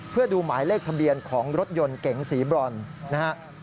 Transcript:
เพื่อดูหมายเลขทะเบียนของรถยนต์เก๋งสีบรอนนะฮะ